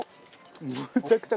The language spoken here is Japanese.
むちゃくちゃ。